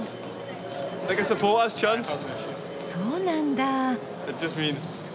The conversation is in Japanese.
そうなんだ。